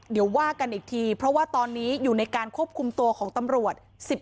เดี๋ยวว่ากันอีกทีเพราะว่าตอนนี้อยู่ในการควบคุมตัวของตำรวจ